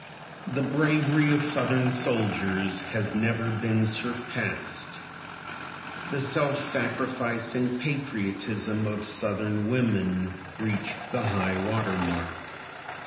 The bravery of Southern soldiers has never been surpassed. The self sacrificing patriotism of Southern women reached the high water mark.